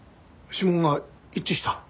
指紋が一致した？